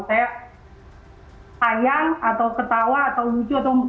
saya sayang atau ketawa atau lucu atau